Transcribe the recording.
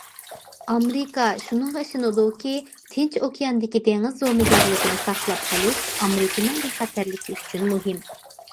ئامېرىكا شۇنىڭغا ئىشىنىدۇكى، تىنچ ئوكياندىكى دېڭىز زومىگەرلىكىنى ساقلاپ قېلىش، ئامېرىكىنىڭ بىخەتەرلىكى ئۈچۈن مۇھىم.